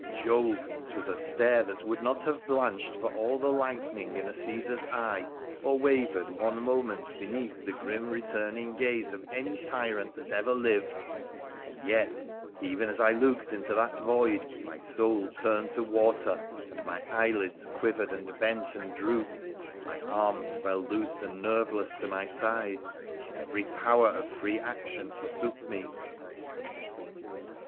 Jove ! 'twas a stare that would not have blanched for all the lightning in a Caesar's eye or wavered one moment beneath the grim returning gaze of any tyrant that ever lived ; and yet, even as I looked into that void my soul turned to water, and my eyelids quivered and bent and drooped, my arms fell loose and nerveless to my side, and every power of free action forsook me.